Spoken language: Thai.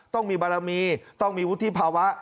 ต้องมีบารมีต้องมีวุฒิภาวะ